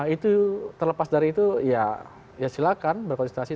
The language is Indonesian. itu terlepas dari itu ya silakan berkonsultasi